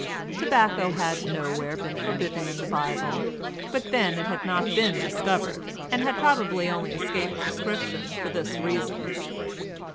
Tobacco had nowhere been forbidden in the Bible, but then it had not yet been discovered, and had probably only escaped proscription for this reason.